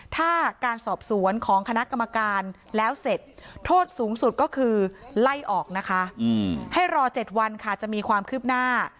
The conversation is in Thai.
ถ้าการสอบสวนของคณะกรรมการแล้วเสร็จโทษสูงสุดก็คือไล่ออกนะคะให้รอ๗วันค่ะจะมีความคืบหน้า